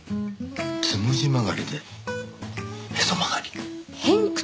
「つむじ曲がりでへそ曲がり」偏屈？